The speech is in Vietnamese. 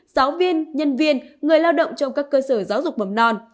giáo viên nhân viên người lao động trong các cơ sở giáo dục mầm non